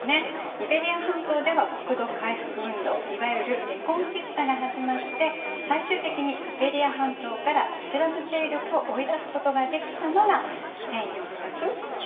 イベリア半島では国土回復運動いわゆるレコンキスタが始まって最終的にイベリア半島からイスラーム勢力を追い出すことができたのが１４９２年。